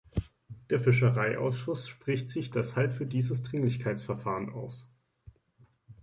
Der Fischereiausschuss spricht sich deshalb für dieses Dringlichkeitsverfahren aus.